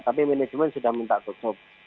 tapi manajemen sudah minta tutup